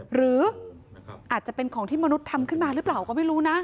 หรืออาจจะเป็นของที่มนุษย์ทำขึ้นมาหรือเปล่าก็ไม่รู้นะ